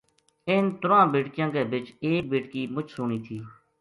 ان تُرواں بیٹکیاں کے بِچ ایک بیٹکی مچ سوہنی تھی